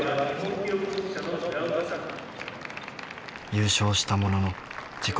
優勝したものの自己